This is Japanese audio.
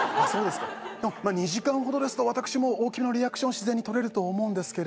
２時間ほどですと私も大きめのリアクション自然にとれると思うんですけど。